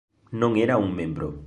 Non era un membro".